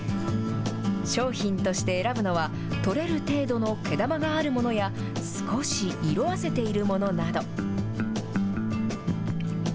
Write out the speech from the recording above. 商品として選ぶのは、取れる程度の毛玉があるものや、少し色あせているものなど。